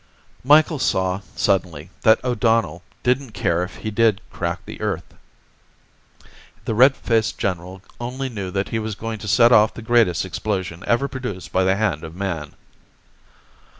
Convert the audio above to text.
Micheals saw, suddenly, that O'Donnell didn't care if he did crack the Earth. The red faced general only knew that he was going to set off the greatest explosion ever produced by the hand of Man.